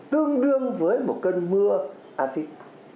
tương đương với một cơn mưa acid